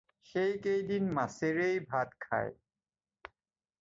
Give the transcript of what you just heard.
সেইকেইদিন মাছেৰেই ভাত খায়।